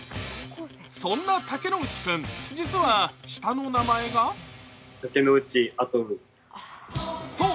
そんな竹之内君、実は下の名前がそう！